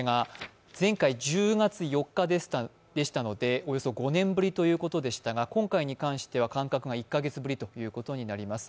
前回１０月４日でしたので、およそ５年ぶりということでしたが今回に関しては感覚が１か月ぶりということになります。